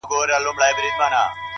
زړه یوسې او پټ یې په دسمال کي کړې بدل ـ